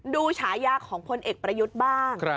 ดูฉายากของคนเอกประยุทธิ์บ้าง